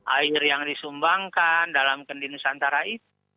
air yang disumbangkan dalam kendini santara itu